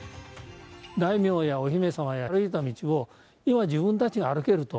大名やお姫様たちが歩いた道を、今自分たちが歩けると。